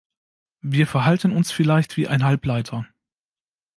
Wir verhalten uns vielleicht wie ein Halbleiter.